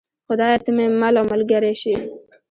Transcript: خدایه ته مې مل او ملګری شې.